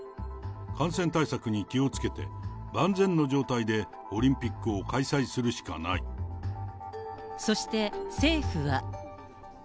感染対策に気をつけて、万全の状態でオリンピックを開催するしかそして、政府は。